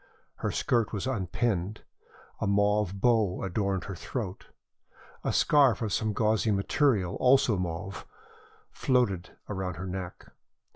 Her skirt was unpinned, a mauve bow adorned her throat, a scarf of some gauzy material, also mauve, floated around her neck.